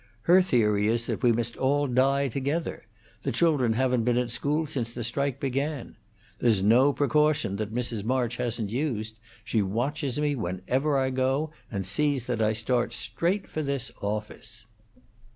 Her theory is that we must all die together; the children haven't been at school since the strike began. There's no precaution that Mrs. March hasn't used. She watches me whenever I go out, and sees that I start straight for this office."